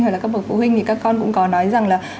hoặc là các bậc phụ huynh thì các con cũng có nói rằng là